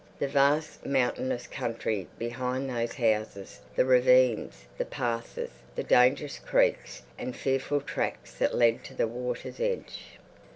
the vast mountainous country behind those houses—the ravines, the passes, the dangerous creeks and fearful tracks that led to the water's edge.